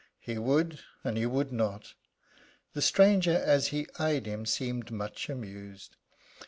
He would and he would not. The stranger, as he eyed him, seemed much amused.